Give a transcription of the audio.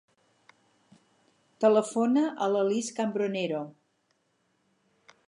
Telefona a la Lis Cambronero.